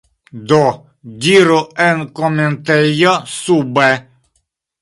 Do, diru en la komentejo sube